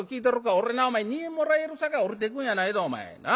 俺なお前二円もらえるさかい下りていくんやないぞお前。